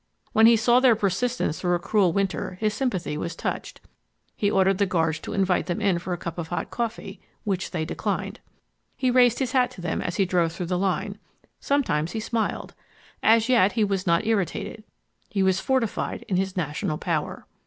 When he saw their persistence through a cruel winnter his sympathy was touched. He ordered the guards to invite them in for a cup of hot coffee, which they declined. He raised his hat to them as he drove through the line. Sometimes he smiled. As yet he was not irritated. He was fortified in his national power.